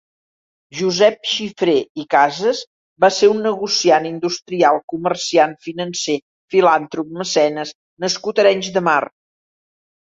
Josep Xifré i Casas va ser un negociant, industrial, comerciant, financer, filàntrop, mecenas nascut a Arenys de Mar.